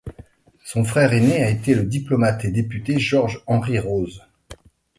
Son frère aîné a été le diplomate et député George Henry Rose.